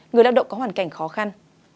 người lao động có hoàn cảnh khó khăn